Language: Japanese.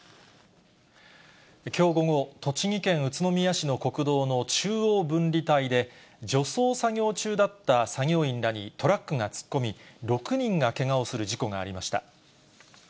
きょう午後、栃木県宇都宮市の国道の中央分離帯で、除草作業中だった作業員らにトラックが突っ込み、６人がけがをする事故がありました。